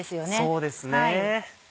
そうですね。